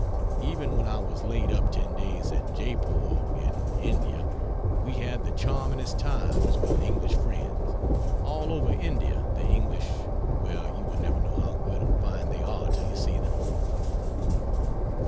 Even when I was laid up 10 days at Jeypore in India we had the charmingest times with English friends. All over India the English well, you will never know how good and fine they are till you see them.